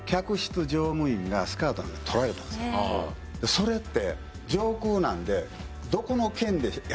それって。